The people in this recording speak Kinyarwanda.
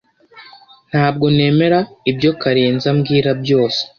Ntabwo nemera ibyo Karenzi ambwira byose.